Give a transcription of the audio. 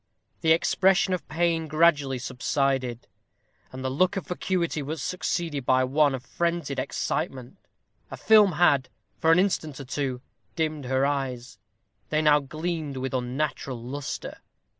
The expression of pain gradually subsided, and the look of vacuity was succeeded by one of frenzied excitement. A film had, for an instant or two, dimmed her eyes; they now gleamed with unnatural lustre.